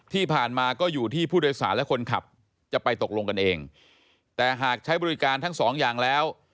ที่ผ่านมาก็อยู่ที่ผู้โดยสารและคนขับจะไปตกลงกันเองแต่หากใช้บริการทั้งสองอย่างแล้ว